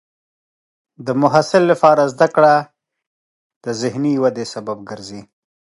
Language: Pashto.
د محصل لپاره زده کړه د ذهني ودې سبب ګرځي.